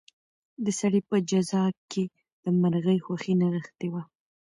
د سړي په جزا کې د مرغۍ خوښي نغښتې وه.